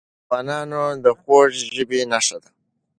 د افغانانو د خوږ ژبۍ نښه ده.